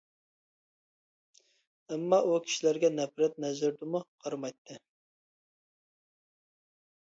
ئەمما، ئۇ كىشىلەرگە نەپرەت نەزىرىدىمۇ قارىمايتتى.